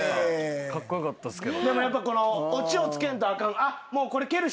カッコよかったっすけど。